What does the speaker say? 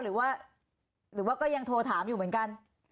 หรือว่าก็ยังโทรถามอยู่เหมือนกัน